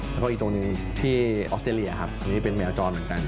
แล้วก็อีกตรงหนึ่งที่ออสเตรเลียครับตรงนี้เป็นแมวจรเหมือนกัน